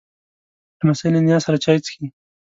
لمسی له نیا سره چای څښي.